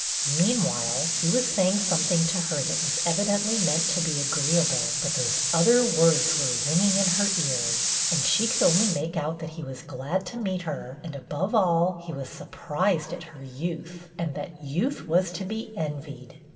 Meanwhile he was saying something to her that was evidently meant to be agreeable, but those other words were ringing in her ears, and she could only make out that he was glad to meet her and, above all, he was surprised at her youth, and that " youth was to be envied."